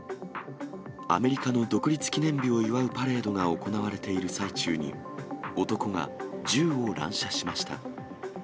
アメリカの独立記念日を祝うパレードが行われている最中に、男が銃を乱射しました。